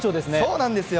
そうなんですよ。